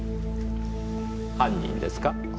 犯人ですか？